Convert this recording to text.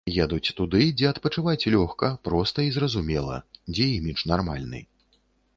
Едуць туды, дзе адпачываць лёгка, проста і зразумела, дзе імідж нармальны.